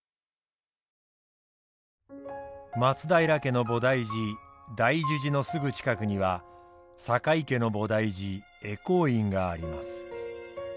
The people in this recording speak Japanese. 松平家の菩提寺大樹寺のすぐ近くには酒井家の菩提寺回向院があります。